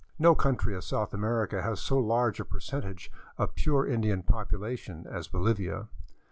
No country of South America has so large a percentage of pure Indian population as Bolivia.